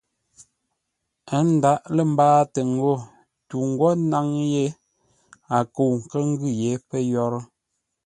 Ə́ ndǎʼ lə́ mbâatə ngô tu ńgwó ńnáŋ yé a kə̂u nkə́ ngʉ́ yé pə́ yórə́.